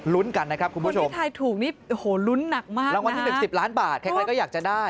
ลุ้นกันนะครับคุณผู้ชมแล้ววันนี้๑๐ล้านบาทใครก็อยากจะได้